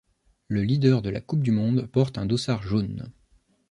Le leader de la coupe du monde porte un dossard jaune.